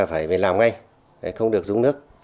phải làm ngay không được dùng nước